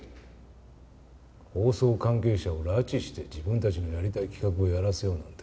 放送関係者を拉致して自分たちのやりたい企画をやらせようなんて。